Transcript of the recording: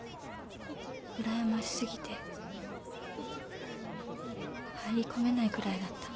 うらやましすぎて入り込めないくらいだった。